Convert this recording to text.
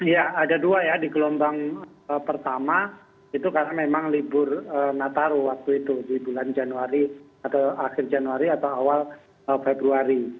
ya ada dua ya di gelombang pertama itu karena memang libur nataru waktu itu di bulan januari atau akhir januari atau awal februari